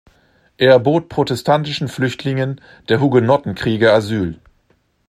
Es bot protestantischen Flüchtlingen der Hugenottenkriege Asyl.